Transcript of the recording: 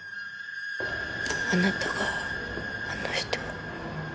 あなたがあの人を